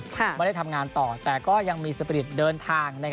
ไม่ได้ทำงานต่อแต่ก็ยังมีสปริตเดินทาง